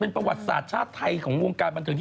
เป็นประวัติศาสตร์ชาติไทยของวงการบันเทิงที่